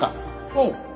うん。